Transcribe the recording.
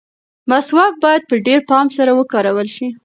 مسواک باید په ډېر پام سره وکارول شي.